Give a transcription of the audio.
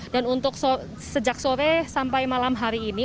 dan untuk sejak sore sampai malam hari ini